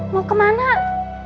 mau kemana pak